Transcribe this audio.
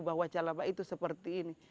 bahwa celaba itu seperti ini